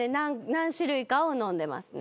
何種類かを飲んでますね。